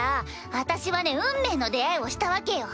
私はね運命の出会いをしたわけよ。